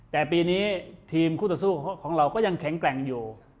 แต่ปีนี้ทีมคู่ต่อสู้ของเราก็ยังแข็งแกร่งอยู่